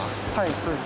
そうです。